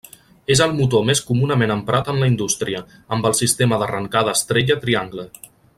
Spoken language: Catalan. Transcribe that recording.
És el motor més comunament emprat en la indústria, amb el sistema d'arrancada estrella triangle.